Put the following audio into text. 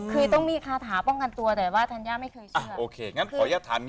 คือต้องมีคาถาป้องกันตัวแต่ว่าธัญญาไม่เคยทำโอเคงั้นขออนุญาตถาม